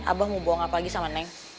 abah mau buang apa lagi sama neng